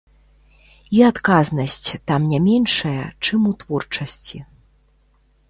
І адказнасць там не меншая, чым у творчасці.